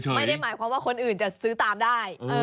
ไม่ได้หมายความว่าคนอื่นจะซื้อตามได้